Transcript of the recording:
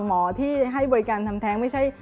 หมอที่ให้บริการทำแท้งไม่ใช่